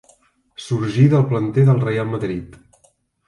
Sorgí del planter del Reial Madrid.